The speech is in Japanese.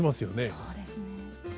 そうですね。